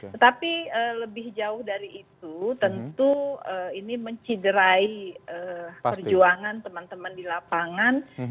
tetapi lebih jauh dari itu tentu ini menciderai perjuangan teman teman di lapangan